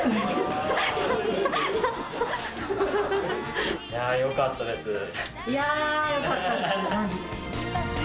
いやよかったです。